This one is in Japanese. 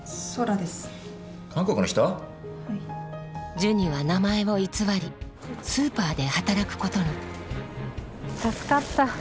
ジュニは名前を偽りスーパーで働くことに助かった。